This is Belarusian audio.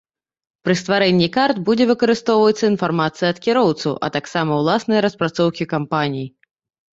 Пры стварэнні карт будзе выкарыстоўвацца інфармацыя ад кіроўцаў, а таксама ўласныя распрацоўкі кампаніі.